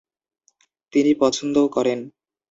তিনি পছন্দও করেন।